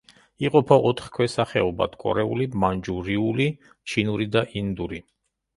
იყოფა ოთხ ქვესახეობად: კორეული, მანჯურიული, ჩინური და ინდური.